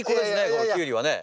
このキュウリはね。